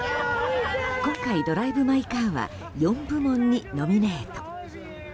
今回「ドライブ・マイ・カー」は４部門にノミネート。